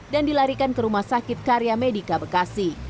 dan dilarikan ke rumah sakit karya medika bekasi